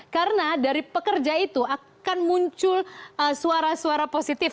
karena dari pekerja itu akan muncul suara suara positif